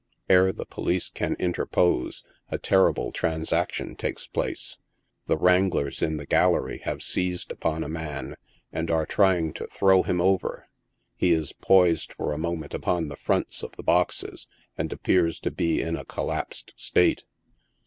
Ere the police can interpose, a terrible transaction take3 place. The wranglers in the gallery have seized upon a man, and are trying to throw him over. He is poised for a moment upon the front of the boxes, and appears to be in a collapsed state.